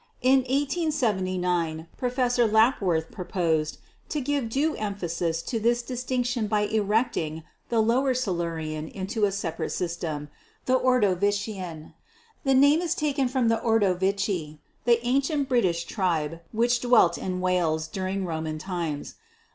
In 1879 Professor Lapworth pro posed to give due emphasis to this distinction by erecting the Lower Silurian into a separate system, the 'Ordovician.' The name is taken from the 'Ordovici,' an ancient British tribe which dwelt in Wales during Roman times.